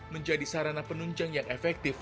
menjadi sarana penunjang yang efektif